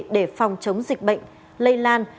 để phòng chống dịch bệnh lây lan